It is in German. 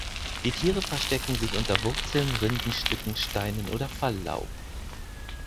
Die Tiere verstecken sich unter Wurzeln, Rindenstücken, Steinen oder Falllaub.